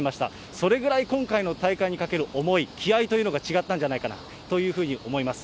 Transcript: それぐらい、今回の大会に懸ける思い、気合いというのが違ったんじゃないかなというふうに思います。